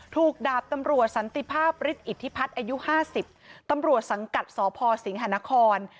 ดาบตำรวจสันติภาพฤทธิอิทธิพัฒน์อายุ๕๐ตำรวจสังกัดสพสิงหานคร